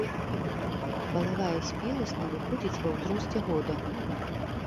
Палавая спеласць надыходзіць ва ўзросце года.